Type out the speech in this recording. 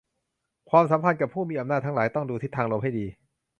ความสัมพันธ์กับผู้มีอำนาจทั้งหลายต้องดูทิศทางลมให้ดี